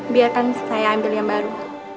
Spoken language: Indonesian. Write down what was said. biarkan saya ambil yang baru